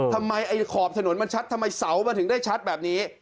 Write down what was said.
ทำไมไอ้ขอบถนนมันชัดทำไมเสามันถึงได้ชัดแบบนี้